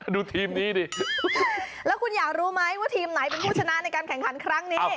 ดูทีมนี้ดิแล้วคุณอยากรู้ไหมว่าทีมไหนเป็นผู้ชนะในการแข่งขันครั้งนี้